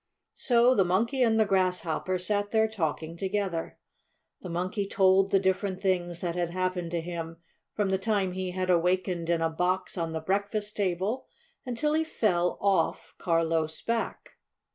So the Monkey and the Grasshopper sat there talking together. The Monkey told the different things that had happened to him from the time he had awakened in a box on the breakfast table until he fell off Carlo's back.